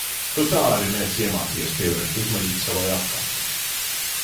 Tu tā arī neesi iemācījies pievērst uzmanību savai apkārtnei!